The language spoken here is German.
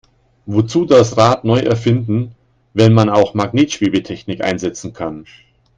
Wozu das Rad neu erfinden, wenn man auch Magnetschwebetechnik einsetzen kann?